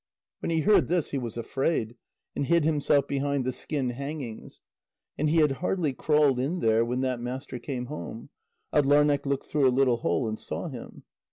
When he heard this, he was afraid, and hid himself behind the skin hangings. And he had hardly crawled in there when that master came home; Atdlarneq looked through a little hole, and saw him.